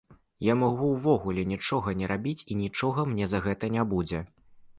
Я магу ўвогуле нічога не рабіць, і нічога мне за гэта не будзе.